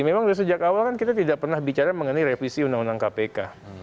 memang sejak awal kan kita tidak pernah bicara mengenai revisi undang undang kpk